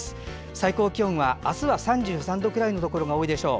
最高気温は明日は３３度くらいのところが多いでしょう。